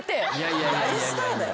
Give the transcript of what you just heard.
大スターだよ。